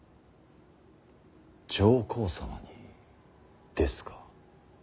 上皇様にですか。